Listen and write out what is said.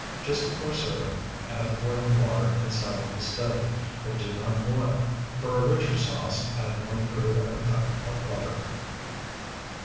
Just before serving, add the boiling water and set on the stove, but do not boil. For a richer sauce add one third of a cup of butter.